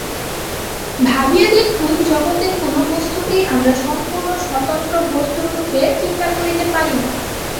ভাবিয়া দেখুন, জগতের কোন বস্তুকেই আমরা সম্পূর্ণ স্বতন্ত্র বস্তুরূপে চিন্তা করিতে পারি না।